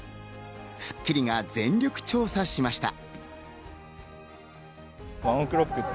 『スッキリ』が全力調査しました。